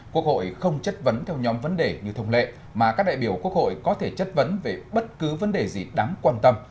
quốc hội không chất vấn theo nhóm vấn đề như thông lệ mà các đại biểu quốc hội có thể chất vấn về bất cứ vấn đề gì đáng quan tâm